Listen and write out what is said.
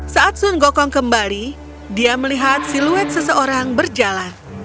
saat sun gokong kembali dia melihat siluet seseorang berjalan